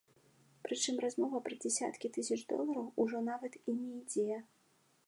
Прычым размова пра дзясяткі тысяч долараў ужо нават і не ідзе.